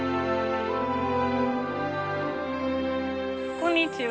こんにちは。